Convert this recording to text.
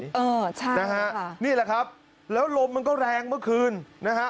เออใช่นะฮะนี่แหละครับแล้วลมมันก็แรงเมื่อคืนนะฮะ